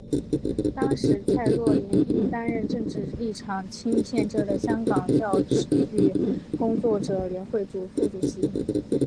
当时蔡若莲亦担任政治立场亲建制的香港教育工作者联会副主席。